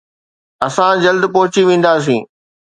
اسان جلد پهچي وينداسين